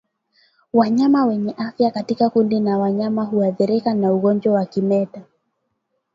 Wanyama wenye afya katika kundi la wanyama huathirika na ugonjwa wa kimeta